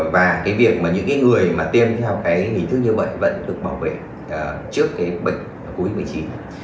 và cái việc mà những cái người mà tiêm theo cái ý thức như vậy vẫn được bảo vệ trước cái bệnh cuối một mươi chín